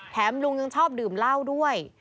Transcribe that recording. ลุงยังชอบดื่มเหล้าด้วย